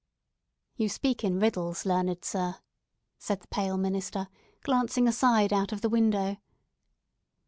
"You speak in riddles, learned sir," said the pale minister, glancing aside out of the window.